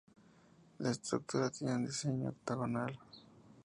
La estructura tiene un diseño octogonal.